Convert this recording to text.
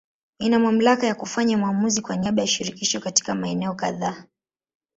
Ina mamlaka ya kufanya maamuzi kwa niaba ya Shirikisho katika maeneo kadhaa.